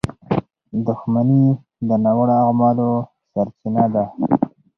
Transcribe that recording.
• دښمني د ناوړه اعمالو سرچینه ده.